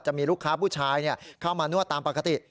จะมีลูกค้าผู้ชายเข้ามานวดตามปกติ